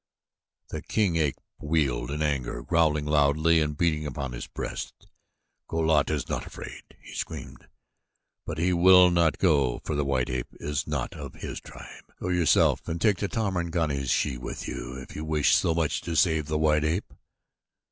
The king ape wheeled in anger, growling loudly and beating upon his breast. "Go lat is not afraid," he screamed, "but he will not go, for the white ape is not of his tribe. Go yourself and take the Tarmangani's she with you if you wish so much to save the white ape."